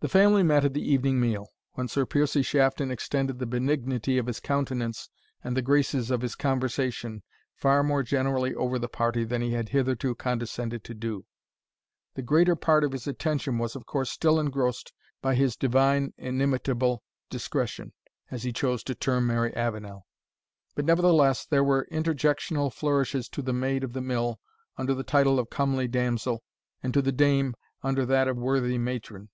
The family met at the evening meal, when Sir Piercie Shafton extended the benignity of his countenance and the graces of his conversation far more generally over the party than he had hitherto condescended to do. The greater part of his attention was, of course, still engrossed by his divine inimitable Discretion, as he chose to term Mary Avenel; but, nevertheless there were interjectional flourishes to the Maid of the Mill, under the title of Comely Damsel, and to the Dame, under that of Worthy Matron.